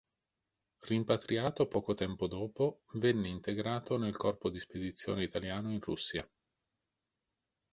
Rimpatriato poco tempo dopo, venne integrato nel Corpo di spedizione italiano in Russia.